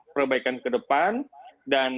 perbaikan ke depan dan